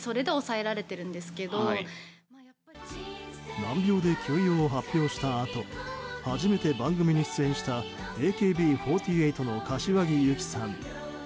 難病で休養を発表したあと初めて番組に登場したＡＫＢ４８の柏木由紀さん。